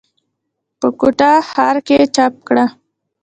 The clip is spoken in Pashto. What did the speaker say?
پۀ کوټه ښارکښې چاپ کړه ۔